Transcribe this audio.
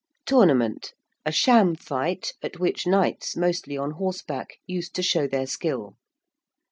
~Tournament~: a sham fight at which knights, mostly on horseback, used to show their skill.